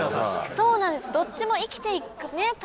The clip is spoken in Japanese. そうなんですどっちも生きて行くために。